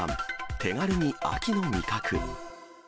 手軽に秋の味覚。